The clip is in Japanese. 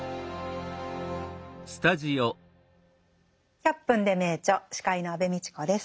「１００分ｄｅ名著」司会の安部みちこです。